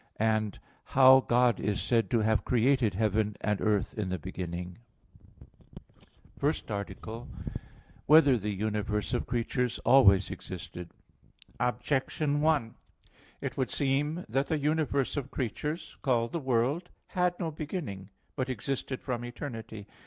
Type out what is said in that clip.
(3) How God is said to have created heaven and earth in the beginning? _______________________ FIRST ARTICLE [I, Q. 46, Art. 1] Whether the Universe of Creatures Always Existed? Objection 1: It would seem that the universe of creatures, called the world, had no beginning, but existed from eternity.